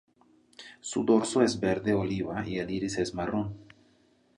Su dorso es verde oliva y el iris es marrón.